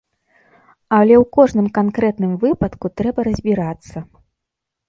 Але ў кожным канкрэтным выпадку трэба разбірацца.